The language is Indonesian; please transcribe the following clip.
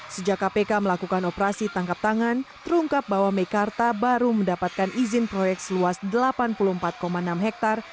sejak kpk melakukan operasi tangkap tangan terungkap bahwa mekarta baru mendapatkan izin proyek seluas delapan puluh empat enam hektare